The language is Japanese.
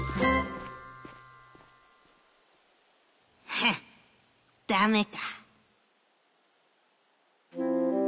「フンッダメか」。